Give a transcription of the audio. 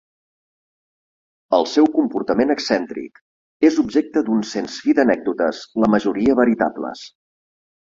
El seu comportament excèntric és objecte d'un sens fi d'anècdotes, la majoria veritables.